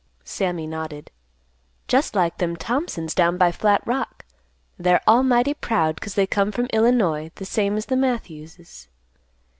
Sammy nodded, "Just like them Thompsons down by Flat Rock. They're all mighty proud, 'cause they come from Illinois the same as the Matthews's.